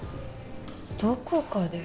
どこかで。